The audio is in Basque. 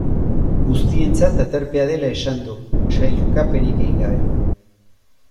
Guztientzat aterpea dela esan du, sailkapenik egin gabe.